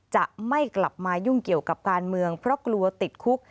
จะไม่กลับมายุ่งเกี่ยวกับการเมืองเพราะกลัวติดคุก